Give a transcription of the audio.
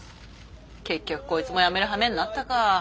結局こいつも辞めるはめになったか。